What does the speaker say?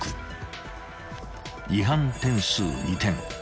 ［違反点数２点］